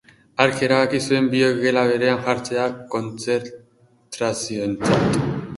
Hark erabaki zuen biok gela berean jartzea kontzentrazioetan.